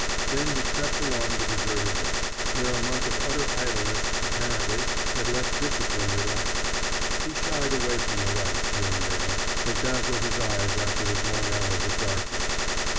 Then he crept along the deserted deck, where a month of utter idleness, apparently, had left discipline relaxed. He shied away from the lights, here and there, that dazzled his eyes after his long hours of darkness.